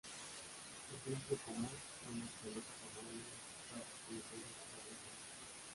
Ejemplo común son los chalecos amarillos usados por los servicios de emergencia.